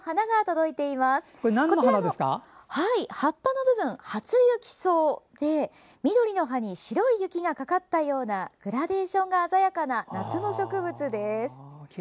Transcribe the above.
葉っぱの部分、ハツユキソウで緑の葉に白い雪がかかったようなグラデーションが鮮やかな夏の植物です。